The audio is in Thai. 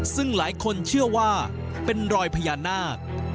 ซึ่งหลายคนเชื่อว่าเป็นรอยพญานาค